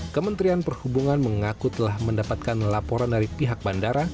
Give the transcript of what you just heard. kementerian perhubungan mengaku telah mendapatkan laporan dari pihak bandara